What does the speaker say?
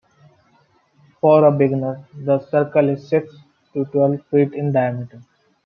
For a beginner, the circle is six to twelve feet in diameter.